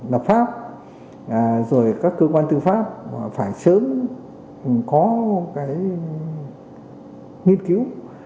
lập pháp rồi các cơ quan tư pháp phải sớm có cái nghiên cứu